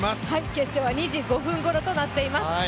決勝は２時５分ごろとなっています。